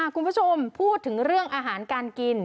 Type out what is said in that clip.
คุณผู้ชมพูดถึงเรื่องอาหารการกิน